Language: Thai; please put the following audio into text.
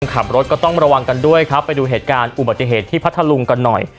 ขับรถก็ต้องระวังกันด้วยครับไปดูเหตุการณ์อุบัติเหตุที่พัทธลุงกันหน่อย